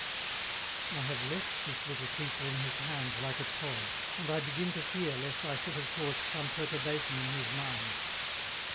I have left this little creature in his hands like a toy, and I begin to fear lest I should have caused some perturbation in his mind.